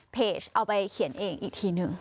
เอาไปเขียนเองอีกทีนึง